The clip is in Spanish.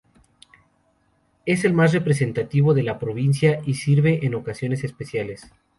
Es el más representativo de la provincia y se sirve en ocasiones especiales.